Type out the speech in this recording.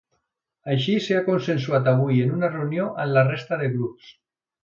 Així s’ha consensuat avui en una reunió amb la resta de grups.